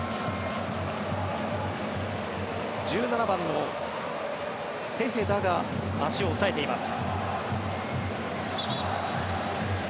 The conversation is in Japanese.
１７番のテヘダが足を押さえています。